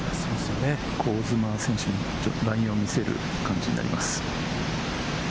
香妻選手にラインを見せる感じになります。